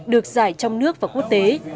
được giải trong nước và quốc tế